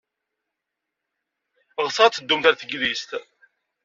Ɣseɣ ad teddumt ɣer teklizt.